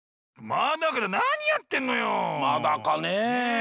まだかね。